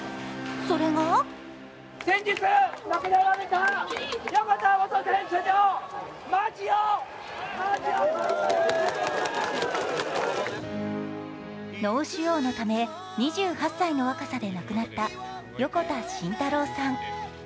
それが脳腫瘍のため、２８歳の若さで亡くなった横田慎太郎さん。